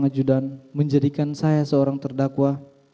rangajudan menjadikan saya seorang terdakwa